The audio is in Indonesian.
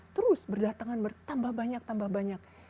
terus berdatangan bertambah banyak tambah banyak